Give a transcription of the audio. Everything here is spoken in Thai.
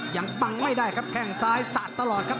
ยังปังไม่ได้ครับแข้งซ้ายสาดตลอดครับ